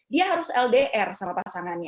dia harus ldr sama pasangannya